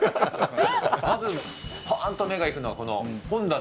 まずぱーんと目がいくのがこの本棚。